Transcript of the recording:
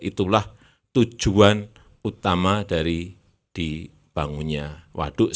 itulah tujuan utama dari dibangunnya waduk